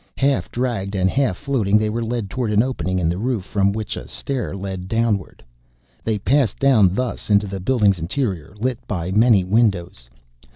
Half dragged and half floating they were led toward an opening in the roof from which a stair led downward. They passed down thus into the building's interior, lit by many windows.